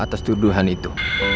atas tuduhan itu